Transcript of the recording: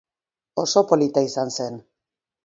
Oso polita izan zen.